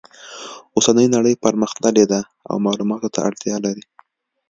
اوسنۍ نړۍ پرمختللې ده او معلوماتو ته اړتیا لري